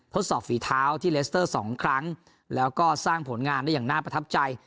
ทดสอบฝีเท้าที่เลสเตอร์สองครั้งแล้วก็สร้างผลงานได้อย่างน่าประทับใจ